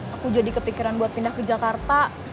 aku jadi kepikiran buat pindah ke jakarta